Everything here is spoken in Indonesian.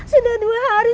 sudah dihapus aku rai